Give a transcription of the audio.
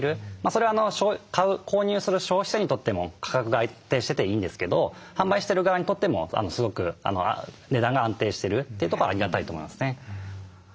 それは買う購入する消費者にとっても価格が安定してていいんですけど販売してる側にとってもすごく値段が安定してるってとこはありがたいと思いますね。